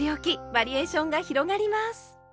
バリエーションが広がります！